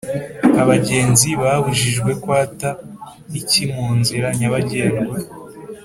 abagenzi babujijwe kwata iki munzira nyabagendwa?